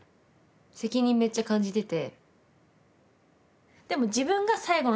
責任めっちゃ感じてて。